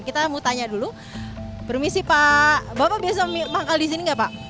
kita mau tanya dulu permisi pak bapak biasa manggal di sini gak pak